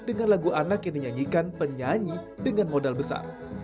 dengan lagu anak yang dinyanyikan penyanyi dengan modal besar